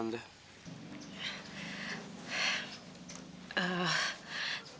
ter beberapa hari yang lalu